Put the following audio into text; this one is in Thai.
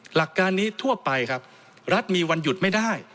หลักการนี้ทั่วไปครับรัฐมีวันหยุดไม่ได้